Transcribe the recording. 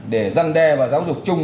để dân đe và giáo dục chung